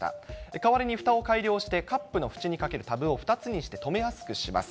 代わりにふたを改良して、カップのふちにかけるタブを２つにして止めやすくします。